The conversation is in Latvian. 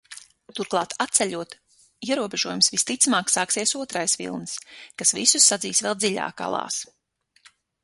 Turklāt, atceļot ierobežojumus, visticamāk, sāksies otrais vilnis, kas visus sadzīs vēl dziļāk alās.